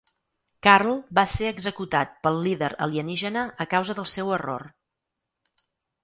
Carl va ser executat pel líder alienígena a causa del seu error.